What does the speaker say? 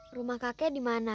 rumah kakek dimana